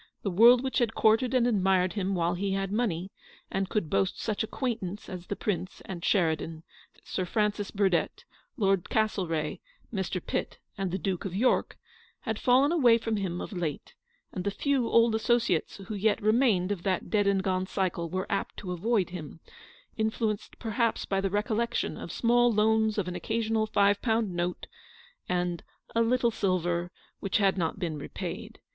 The world which had courted and admired him while he had money and could boast such acquaintance as the Prince and Sheridan, Sir Francis Burdett, Lord Castlereagh, Mr. Pitt, and the Duke of York, had fallen away from him of late ; and the few old associates who yet remained of that dead and gone cycle were apt to avoid him, influenced perhaps by the recollection of small loans of an occasional five pound note, and "a little silver," which had not been repaid.